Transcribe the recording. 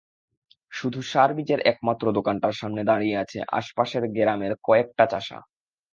শুধু সার-বীজের একমাত্র দোকানটার সামনে দাঁড়িয়ে আছে আশপাশের গেরামের কয়েকটা চাষা।